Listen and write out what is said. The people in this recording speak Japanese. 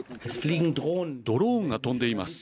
ドローンが飛んでいます。